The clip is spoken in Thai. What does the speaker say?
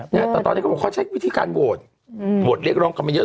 แต่ตอนนี้เขาใช้วิธีการโหวตโหวตเรียกร้องกลับมาเยอะ